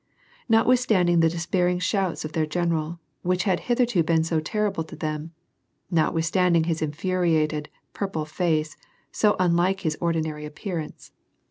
Notwithstanding the despairing shouts of their general, which had hitherto been so terrible to them, notwithstanding his infuriated, purple face, so unlike its ordinary appearance, WAn AND PEACE.